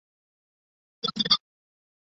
单囊齿唇兰为兰科齿唇兰属下的一个种。